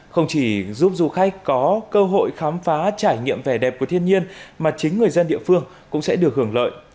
không chỉ giúp du khách có cơ hội khám phá trải nghiệm vẻ đẹp của thiên nhiên mà chính người dân địa phương cũng sẽ được hưởng lợi